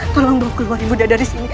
tolong bawa keluar ibu dari sini